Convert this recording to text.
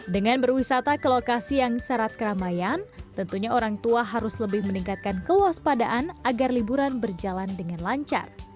dengan berwisata ke lokasi yang syarat keramaian tentunya orang tua harus lebih meningkatkan kewaspadaan agar liburan berjalan dengan lancar